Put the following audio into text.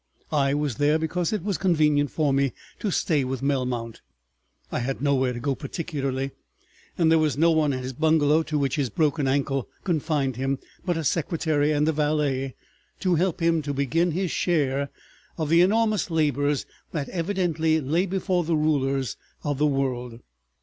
I was there because it was convenient for me to stay with Melmount. I had nowhere to go particularly, and there was no one at his bungalow, to which his broken ankle confined him, but a secretary and a valet to help him to begin his share of the enormous labors that evidently lay before the rulers of the world.